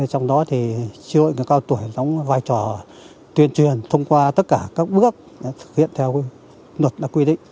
trong đó thì tri hội người cao tuổi đóng vai trò tuyên truyền thông qua tất cả các bước thực hiện theo luật đã quy định